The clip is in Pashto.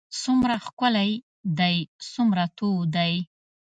څومره ښکلی دی څومره تود دی.